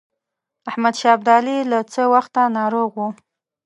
احمدشاه ابدالي له څه وخته ناروغ وو.